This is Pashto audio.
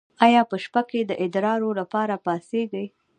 ایا په شپه کې د ادرار لپاره پاڅیږئ؟